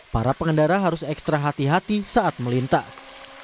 para pengendara harus ekstra hati hati saat melintas